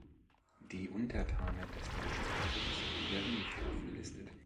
Die Untertanen des Deutschen Ordens werden nicht aufgelistet.